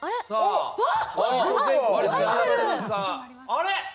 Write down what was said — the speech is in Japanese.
あれ！